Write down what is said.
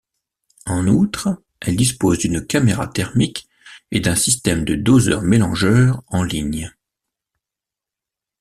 En outre, elle dispose d'une caméra thermique et d'un système de doseur-mélangeur en ligne.